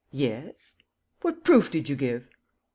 "Yes." "What proof did you give?"